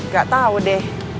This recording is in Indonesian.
gak tau deh